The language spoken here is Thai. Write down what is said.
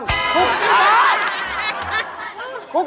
คุกกี้บ้าง